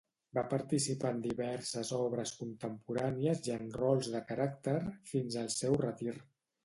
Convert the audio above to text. Va participar en diverses obres contemporànies i en rols de caràcter fins al seu retir.